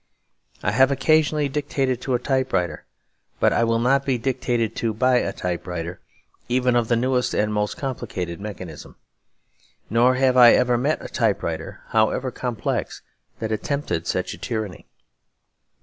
I have occasionally dictated to a typewriter, but I will not be dictated to by a typewriter, even of the newest and most complicated mechanism; nor have I ever met a typewriter, however complex, that attempted such a tyranny.